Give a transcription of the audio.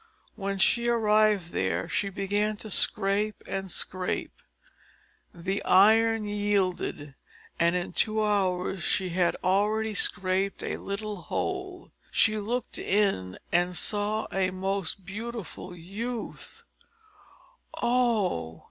When she arrived there, she began to scrape and scrape; the iron yielded, and in two hours she had already scraped a little hole. She looked in and saw a most beautiful youth: oh!